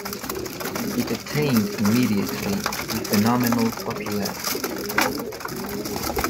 It attained immediately a phenomenal popularity.